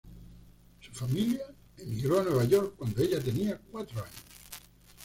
Su familia emigró a Nueva York cuando ella tenía cuatro años.